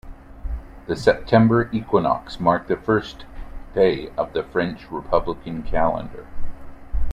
The September equinox marked the first day of the French Republican Calendar.